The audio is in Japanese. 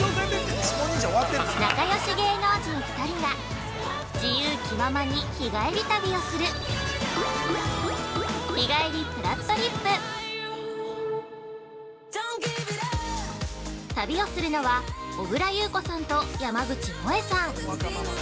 ◆仲よし芸能人２人が自由気ままに日帰り旅をする「日帰りぷらっとりっぷ」旅をするのは、小倉優子さんと山口もえさん。